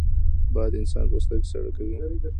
باد د انسان پوستکی ساړه کوي